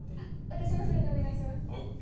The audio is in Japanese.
私もそれでお願いします。ＯＫ！